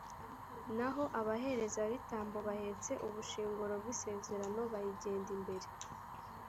naho abaherezabitambo bahetse ubushyinguro bw’isezerano bayigenda imbere.